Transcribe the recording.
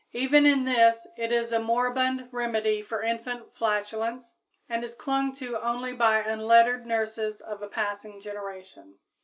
Even in this it is a moribund remedy for infant flatulence, and is clung to only by unlettered nurses of a passing generation.